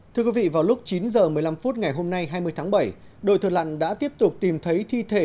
thưa quý vị vào lúc chín h một mươi năm phút ngày hôm nay hai mươi tháng bảy đội thợ lặn đã tiếp tục tìm thấy thi thể